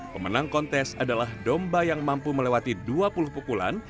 pemenang kontes adalah domba yang mampu melewati dua puluh pukulan